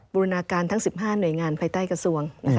บูรณาการทั้ง๑๕หน่วยงานภายใต้กระทรวง